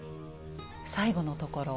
最後のところ。